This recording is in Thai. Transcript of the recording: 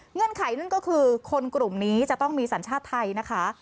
ไขนั่นก็คือคนกลุ่มนี้จะต้องมีสัญชาติไทยนะคะ